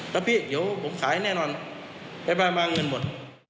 แล้วพี่เดี๋ยวผมขายแน่นอนไปมาเงินหมด